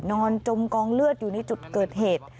จมกองเลือดอยู่ในจุดเกิดเหตุ